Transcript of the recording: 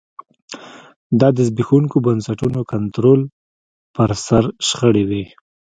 دا د زبېښونکو بنسټونو کنټرول پر سر شخړې وې